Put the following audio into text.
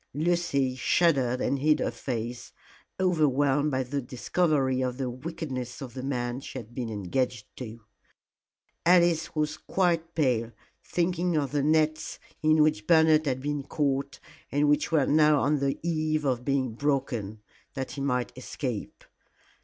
Lucy shuddered and hid her face, overwhelmed by the discovery of the wickedness of the man she had been engaged to. Alice was quite pale, thinking of the nets in which Bernard had been caught, and which were now on the eve of being broken, that he might escape.